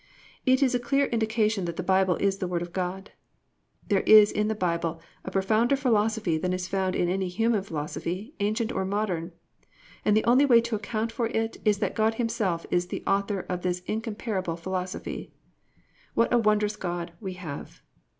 It is a clear indication that the Bible is the Word of God. There is in the Bible a profounder philosophy than is found in any human philosophy, ancient or modern, and the only way to account for it is that God Himself is the author of this incomparable philosophy. What a wondrous God we have!